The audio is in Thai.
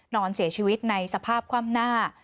นอนเสียชีวิตในสภาพคว่ำหน้า